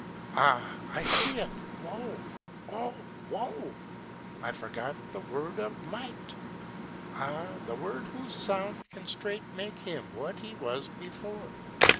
Ah, I see it! woe, oh woe! I forget the word of might. Ah, the word whose sound can straight Make him what he was before!